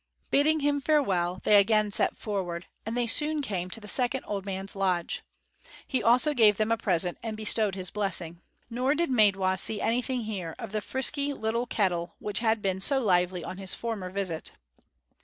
Bidding him farewell, they again set forward; and they soon came to the second old man's lodge. He also gave them a present and bestowed his blessing. Nor did Maidwa see anything here of the frisky little kettle which had been so lively on his former visit.